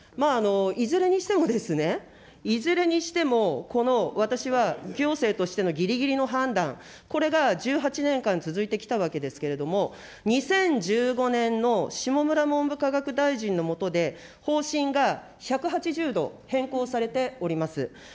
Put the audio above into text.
いずれにしてもですね、いずれにしても、私は行政としてのぎりぎりの判断、これが１８年間続いてきたわけですけれども、２０１５年の下村文部科学大臣の下で、方針が１８０度変更されております。